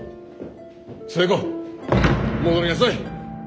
寿恵子戻りなさい！